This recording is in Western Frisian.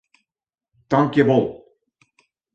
Tankjewol.